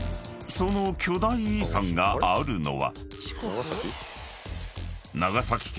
［その巨大遺産があるのは］